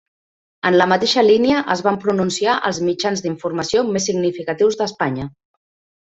En la mateixa línia es van pronunciar els mitjans d'informació més significatius d'Espanya.